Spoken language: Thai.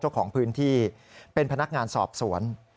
เจ้าของพื้นที่เป็นพนักงานสอบสวน